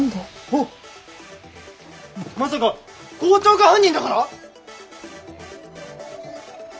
あっまさか校長が犯人だから？